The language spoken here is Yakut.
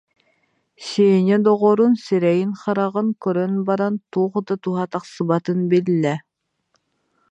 Сеня доҕорун сирэйин-хараҕын көрөн баран, туох да туһа тахсыбатын биллэ: